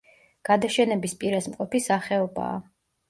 გადაშენების პირას მყოფი სახეობაა.